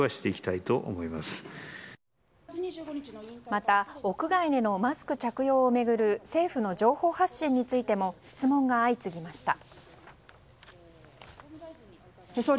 また屋外でのマスク着用を巡る政府の情報発信についても質問が相次ぎました。